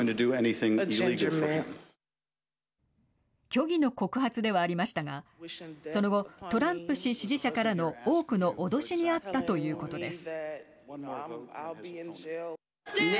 虚偽の告発ではありましたがその後、トランプ氏支持者からの多くの脅しに遭ったということです。